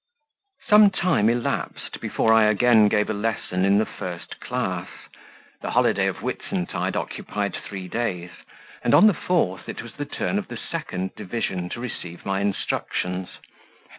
SOME time elapsed before I again gave a lesson in the first class; the holiday of Whitsuntide occupied three days, and on the fourth it was the turn of the second division to receive my instructions.